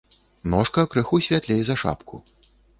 Ножка крыху святлей за шапку.